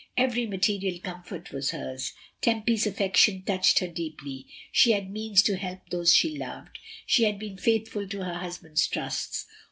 Every material comfort was hers. Tempy's affection touched her deeply. She had means to help those she loved; she had been faithful to her husband's trusts.